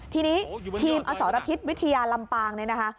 ทีนี้ทีมอสรพิษวิทยาลำปางเนี่ยนะคะ